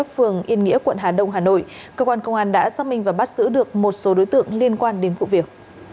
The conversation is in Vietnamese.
phường yên nghĩa quận hà đông hà nội cơ quan công an đã xác minh và bắt giữ được một số đối tượng liên quan đến vụ việc